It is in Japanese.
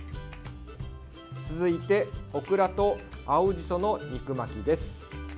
続いてオクラと青じその肉巻きです。